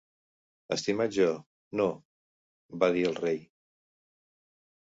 "Estimat jo, no!", va dir el rei.